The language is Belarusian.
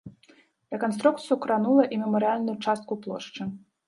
Рэканструкцыю кранула і мемарыяльную частку плошчы.